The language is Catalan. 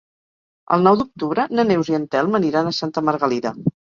El nou d'octubre na Neus i en Telm aniran a Santa Margalida.